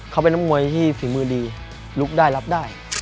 เขาเป็นนักมวยที่ฝีมือดีลุกได้รับได้